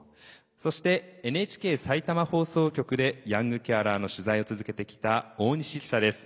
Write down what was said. そしてＮＨＫさいたま放送局でヤングケアラーの取材を続けてきた大西記者です。